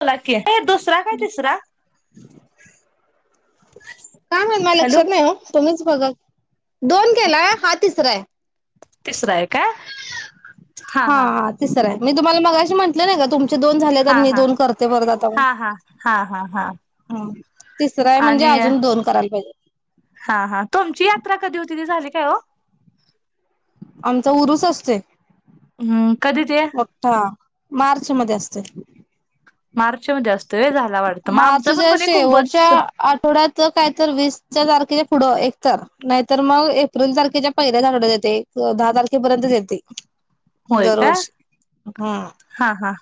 बोला कि अ दुसरा क तिसरा. काय म्हणला हॅलो लक्षात नाही ओ! तुम्हीच बघा कि हा दोन हा केलाय बघतो हा तिसराय तिसरा आहे का हा हा तिसरा आहे मी तुम्हाला मगाशी म्हटलं नाही का तुम तुमचे दोन झालेत आणि हा मी हा दोन करते परत आता म हा हा हा हा हा हं तिसरं आहे म्हणजे आणि अजून दोन करायला पाहिजे. हा हा तुमची यात्रा कधी होती ती झाली काय ओ आमचा उरुस असतोय. हम्म कधी ते मोठा मार्च मध्ये असतोय. मार्चमध्ये असतो. व्हय झाला वाटतं मग आमचं पण मार्चच्या कोणी शेवटच्या कुंभच आठवड्यात काय तर वीसच्या तारखेच्या पुढं एकतर नाहीतर मग एप्रिल तारखेच्या पहिल्याच आठवड्यात येतयं एक दहा तारखेपर्यंतचं येतं. होय का हा हा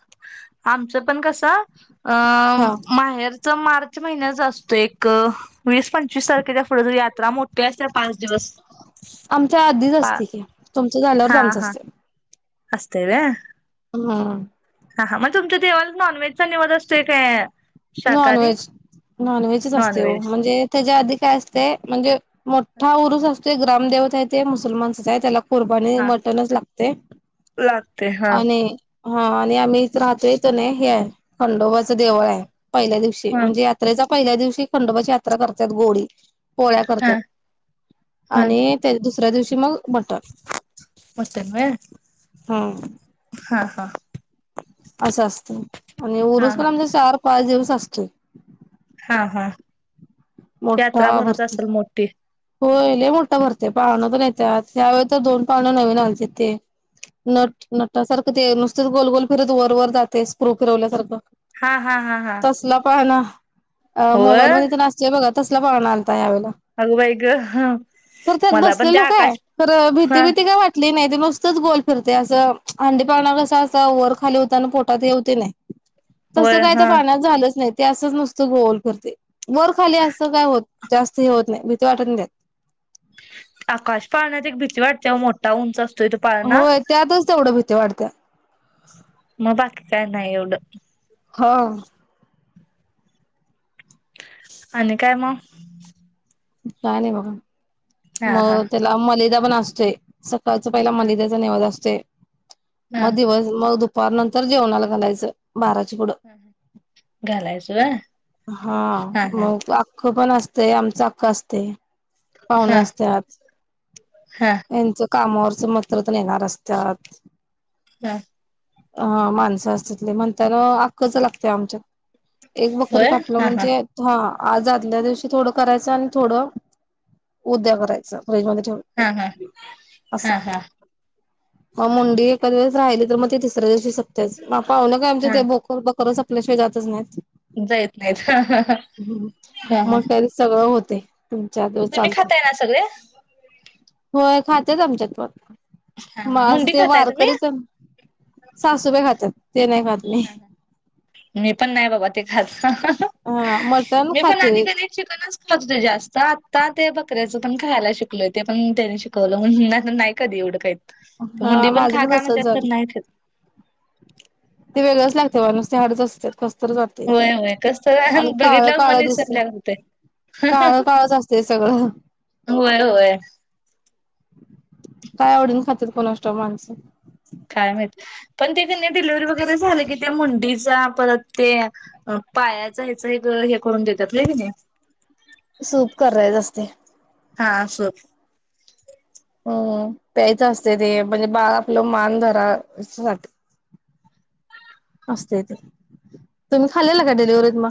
आमचं पण कसं अ हा माहेर मार्च महिन्याचा असतोय एक वीस पंचवीस तारखेच्या पुढेचं यात्रा मोठी असत्या पाच दिवस आमच्या आधीच पा असतय कि तुमचं झाल्यावरच आमचं असतय. असतंयव्हयं. हा. हा हा म तुमच्या देवाला नॉनवेजचा निवद असतोय काय. शाकाहारी नॉनव्हेज नॉनव्हेजच असतय ओ नॉनव्हेज म्हणजे त्याच्या आधी काय असतय म्हणजे मोठा उरुस असतोय ग्रामदेवत आहे ते मुसलमानचच आहे त्याला कुरबानी मटणचं लागतय. लागतय हा हा आणि आम्ही इथ राहतोय इथने हे आहे खंडोबाचं देवळ आहे. पहिल्या दिवशी हा म्हणजे यात्रेचा पहिल्या दिवशी खंडोबाची यात्रा करत्यात गोडी पोळ्या हा करत्यात हा आणि त्याच्या दुसऱ्या दिवशी मग मटण मटन व्हय हम्म हा हा असं असत आणि हा उरूस पण हा आमचा चार पाच दिवस असतोय. हा हा यात्रा मोठा भरत भरती असल मोठ्ठी. होय लय मोठ्ठा भरतोय, पाळण पन येत्यात ह्यावेळी तर दोन पाळण नवीन आलतीत ते नट नटासारखं ते नुसतच गोलगोल फिरत वर वर जातय स्क्रू फिरवल्यासारखं हा हा हा हा तसला पाळणा अ मोबाईलमध्ये तेन आसतोय बघा तसला पाळणा आल. अग बाई गं तर त्यात बसलेलो काय तर भीती हा बीती काय वाटली नाही. ते मस्तच गोल फिरतय असं हंडी पाळणा कसा असा वर खाली होताना पोटात हे होतयं ने तस होय काय हा त्या पाळण्यात झालंच नाही ते असंच नुसतं गोल फिरतंय वर खाली असं काय होत जास्त हे होत नाही भीती वाटत नाही. आकाश पाळण्यात एक भीती वाटत्या ओ मोठा उंच असतो. असतोय तो पाळणा, होय त्यातच तेवढं भीती वाटत्या मग बाकीकी काय. नाही एवढं हा [inaudible] आणि काय मग काय नाही बघ हा हा मग त्याला मलदा पण असतोय. पहिला मलिद्याचा निवास असते, हा मग दिवस मग दु [inaudible] दुपार नंतर जेवणाला घालायचं. बाराच पुुडं घालायचं व्हय हा मग अ्ख पण असते, आमचं अख्खं असते पाहुण हा असते. त्यात हा यांच कामावरच मित्र येणार असत्यात. हा अ माणसं अस तिितली म्हणताना आखखच लागते आमच्या एक बकर होय कापलं हा हा म्हणजे ह आज आदल्या दिवशी थोडं करायचं, आणि थोडं उद्या करायचं. फ्रीजमध्ये ठेव हा हा अस हा हा मग मुंडी एका वेळेस राहिली तर मग ते तिसऱ्या दिवशी सपते, मापाव ना काय आमचे हा ते भो बकरच आपल्याशिय जातच नाहीत. जायत नाहीत हा हा हा [inaudible] ह् हा हा मग त्यारी सगळं होत तुम्ही खाताय ना सगळे [inaudible] [inaudible] होय खातेच आमच्यात प हा मग हा असं मुंडी ते खाताय तुम्ही वारकरीच सासू बाई खातात ते नाही खात. मी मी पण नाही बाबा ते खात. [inaudible] हा मटण मी पण खातोय आधीिकडे चिकनच ख होत हो ते जास्त आ आ ते बकऱ्याचं पण खायला शिकलोय ते पण त्याने शिकवलंून नाही कधी एवढं काही हा मुंडी पण माझं खा खा तसच म्हणत्यात झालं पण नाही खात. ते वेगळंच लागते बा नुसतं हाडच असत्यात कस तर जातय होय होय कसं आणि काळ बघितल्यावर मन काळ दिसतय. विसरल्यावर होतंय काळं काळच असते सगळं. होय होय काय आवडीन खात्यात कोणाचं ठाऊक माणसं. काय माहित पण ती [inaudible] डव्ह व झा क त्या मुं पर पाया करून देत्यात व्हय का नाही. सूप करायच असतय. हा अस. हम पायचं असते ते म्हणजे बाळ आपलं मान धरा असते ते तुम्ही खालेल का डिलीवरीत मग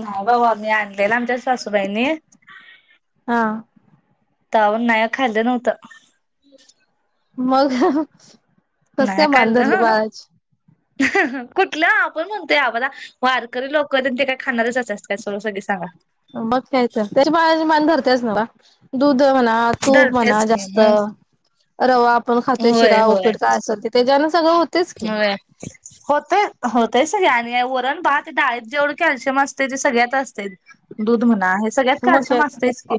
नाही भाऊ आम्ही आणलेल आमच्याच सासूबाईंनी. हा. तवण नाही खाल्लं नव्हतं [inaudible] मग. कस नाही काय मान धरली काललं बाळाची कुठलं. कोण म्हणतोय बघला वारकरी लोकर ते काय खाणारचत काय सर्व सगळी सांगा. मग काय तर त्याच्या मा मान धरतेच ना बा दूध द म्हणा तूप म्हणा धरतेच की जास्त मग रवा. आपण खातोय शिरा उपीट काय असल तेच्यान व्हय होतय होतय सग आणि वरण. भात डाळीत जेवढ कॅल्शियम असते ते सगळ्यात असते दूध म्हणा हे सगळ्यात मग काय कॅल्शियम तर असतंय च की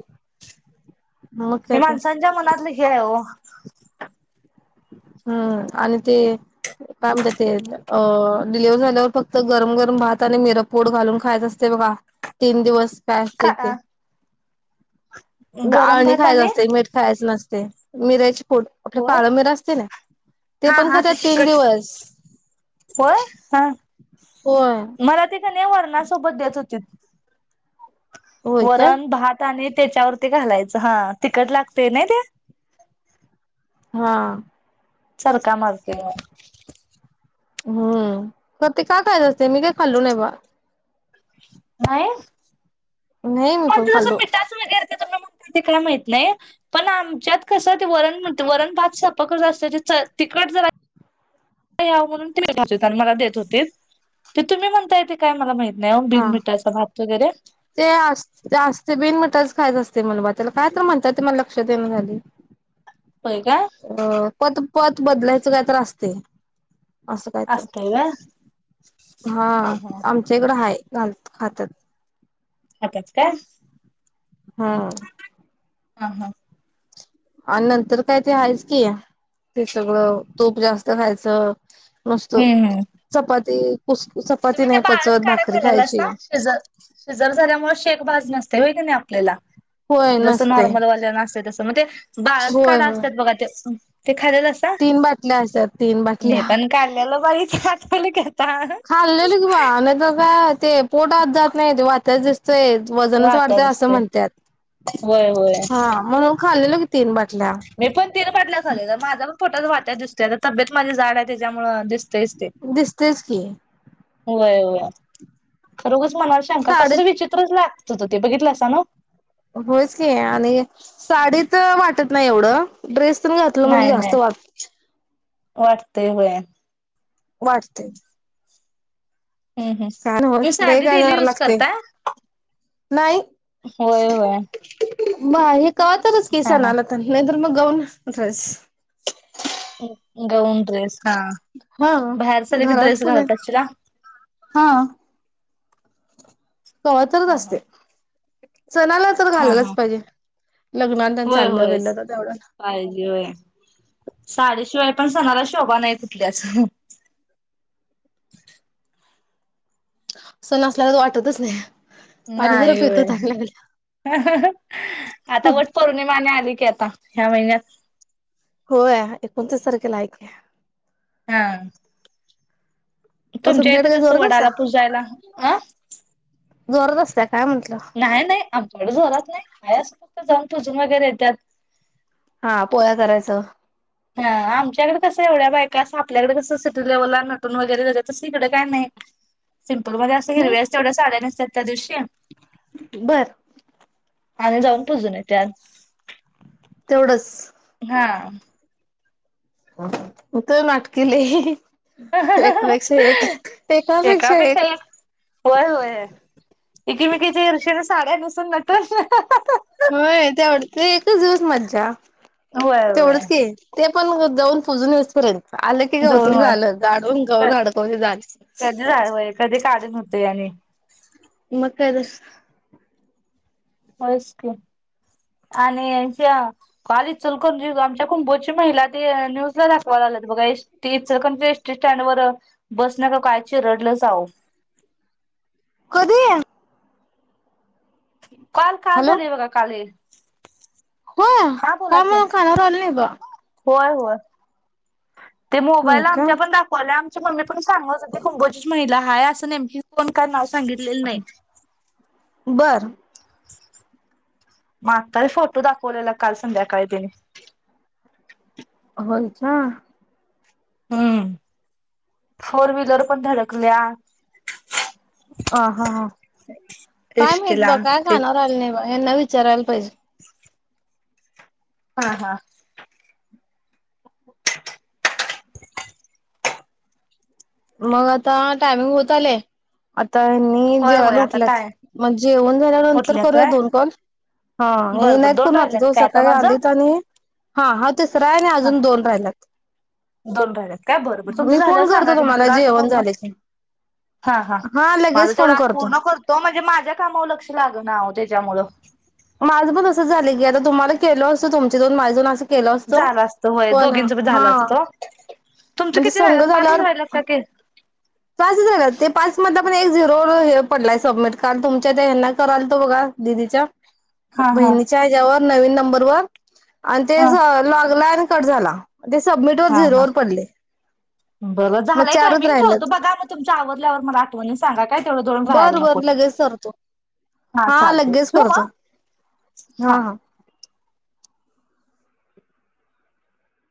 मग हे काय तर माणसांच्या मनात ल हे आहे हो हम्म आणि ते काय म्हणत्यात ते अ डिलिवरी झाल्यावर फक्त गरम गरम भात आणि मिर पोड घालून खायच असते बघा तीन दिवस. काय असते का ते गरम आळणी भात खायच आणि असतय एक मीठ खायचं नसतय मिराची फोट आपलं हो काळ मिरा असते ना ते हा पण हा खातात तीन तिखट दिवस होय हा होय मला तिकने वरणा र्सोबत देत होती होय का वरण भात आणि त्याच्यावरती घालायचं हा तिकट लागतय ना ते हा. चरका मारते हम्म ते काय खायच असते मी काय खाल्लू नाही बा नाहीय. नाही मी पण म्हणज जसं खाल्लो मिठाचं वगैरे ते काय माहित नाही पण आमच्यात कसं ते वरण म्हण वरण भात स्वयंपाक करत अस टच या म्हणून त आणि मला देत होते ते तुम्ही म्हणता येते काय मला माहिती हा ते अस असते बिन आताच खायच असतय मुलबा त्याला काय तर म्हणतात ते मला लक्षात देण झाली. होय काय? अ पत पत बदलायचं कायतर असतय. असं कायत असतय व्हय हा आमच्या इकडं हाय. हातात. हातात का? हा हा हा आणि नंतर काय ते हायच की ते सगळं तूप जास्त खायचं नसतो हम्म हम्म चपाती कुस चपाती तुम्ही ते नाही बाळत पचत काढ्या भाकरी खायची पिलेलासा सीझर सीझरझाल्यामुळे शे बाज नसतंय व्हय क नाय आपल्या होय जसं नसते नॉर्मलवाल्याना असतंय तस म ते बाळच होय काढा होय असत्यात बघा ते ते खालेलासा तीन बाटल्या असतात तीन मी बाटल्या पण काढलेल [unintelligible] [unintelligible] बा आणि काय ते पोटात जात नाय वातच दिस तय वजनच वात्या वाढतय असं दिसते म्हणत्यात होय होय हा म्हणून खाल्लेलं मी तीन बाट मी पण तीन बाटल्या खालेल्या माझा पण पोटाच्या वाट्यात दिसतोय आता तब्येत माझी जाड आहे त्याच्यामुळ दिस दिसतयच की, व्हय व्हय उगच मनाला शंका साडीत कसल विचित्रच लाग त होत ते बघितलास ना होयच की आणि साडी त वाटत नाय एवढं ड्रेस ड्रेस तेन घातलं म्हणजे नाही जास्त नाही वाट वाटतय होया. वाटतय. हम्म तुम्ही कायचं लय साडी गार डेली गार युज लागतय करताय नाही. होय होय. बा हे कवा तरच की हा सणं हा आला तर हे तर मग गाऊन ड्रेस गाऊन ड्रेस हा हा बाहेर सगळीक घरात ड्रेस कोण आहे घालत अशीला हा कवा तरच असते हा सणाला तर हा घालालाच हा पाहिजे. लग्नाला तेन होय चाललं होय. बिललं तर तेवढं पाहिजे होय. साडी शिवाय पण सणाला शोभा नाय कुठल्याच सण असल्यागत वाटतच नाही. पाणी जरा नाय पितो व्हय. तहान लागल्या आता वट पौर्णिमानी आली की आता ह्या महिन्यात होय एकोणतीस तारखेला हाय की हा मग तुमच्या इथं तुमच्याकडे काय कसं जोरात असत्या वडाला पूजायला अ वरच असतय. नाय नाय आमच्याकडच जोरात नाय आहे असं फक्त जाऊन पुजून वगैरे येत्यात. हा पोळया करायचं. हा आमच्याकड कसं एवढ्या बायका असं आपल्याकडे कसं सिटी लेवलला नटून वगैरे जातात तस इकड काय नाय. [inaudible] सिंपलमध्ये अस हिरव्याच हम्म तेवढ्या सा्डया नेसतात त्या दिवशी बर आणि जाऊन पुजून येत्यात. तेवढंच हा उत नाटकेलय एकापेक्षा एक एकापेक्षाएक होय होय. एकीमेकीच्या इरषला साड्या नेसून [unintelligible] होय तेवढ ते एकच दिवस मज्जा होय होय तेवढच कि ते पण जाऊन पुजून येंऊस पर्यंत आलं की गवत जाऊन होय झालं काडून गाउन अडकवल कि झाय कधी जावय कधी काढन व्हतय आणि [unintelligible] मस्क आणि ह्या कॉलेज चल करून आमच्या कुंभोची महिला ते न्यूज ला दाखवा लात बघा एसी एसटी स्टँड व बस न का काय चिरडलंच आवो. कधी! काल काल झालंय बघा काल. हो हा बोला का की मला कानावर आलंनी बगा. होय होय ते होय मोबाईल का आमच्या पण दाखवले आमची मम्मी त पण सांग कुंकोजीच महिला हाय असं नेमकी कोण काय नाव सांगितलेलं नाहीत. बर मग आता फोटो दाखवलेला काल संध्याकाळी तेने अच्छा. हम्म फोर व्हिलर पण धडकल्या ह हा हा काय माहित एसटीला बाघा काय ते काणावर आलं नाही बगा यांना विचारायला पाहिजे. हा हा. [unintelligible] मग आता टायमिंग होत आलंय. तानी होय होय जेवायला आता उठल्यात काय मग जेवन झाल्यानंतर उठल्या करूया काय दोन कॉल हा बरं बर नाहीत दोन कोण आते राहिल्यात तो काय आता सकाळी माझं आलीत आणि हा हा तिसरा आहे आणि हा अजून दोन राहिलात. दोन राहिल्यात काय बर बर तुमचं मी फोन झाल्यावर सांगा करतो की मी तुम्हाला तेवडं आज जेवण पूर्ण झाले की हा हा माझं लगेच तेवढं फोन आज करतो पूर्ण करतो म्हणजे माझ्या कामावर लक्ष लाग ना ओ त्याच्यामुळं माझं पण असंच झालय की आता तुम्हाला केलं असतं तुमचे दोन माझे दोन अस केलो असतो झालं असतं होय पण दोघींच बी हा. झालं असतं तुमचं म्हणजे किती संघ राहिल्यात पाचच झाल्यावर राहिल्यात का की पाच झाला ते पाच म पण एक झिरो हे पडलाय सबमिट काल तुमच्या त्या हयाना करालतो बघा दिदीच्या हा हा बहिणीच्या ह्याच्यावर नवीन नंबरवर आणि ते हा लागला आणि कट झाला. ते सबमिट वर हा हा झिरोवर पडलय बरं मग झालंय चारच टायमिंग ठेवतो राहिलेत. बघा मग तुमच्या आवरल्यावर मला आठवनीन सा सांगा काय तेवढे दोन बर रहायला बर नको लगेच करतो हा चालतय लगेच ठेवु करतो मग. हा हा.